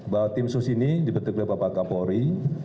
bahwa tim sus ini dibentuk oleh bapak kapolri